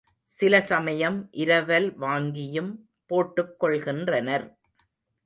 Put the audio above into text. சில சமயம் இரவல் வாங்கியும் போட்டுக்கொள்கின்றனர்.